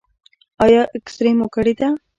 ایا اکسرې مو کړې ده؟